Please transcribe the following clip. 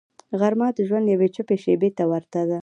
غرمه د ژوند یوې چوپې شیبې ته ورته ده